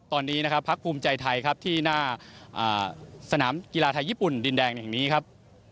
ตอนนี้นะครับพักภูมิใจไทยครับที่หน้าสนามกีฬาไทยญี่ปุ่นดินแดงแห่งนี้ครับ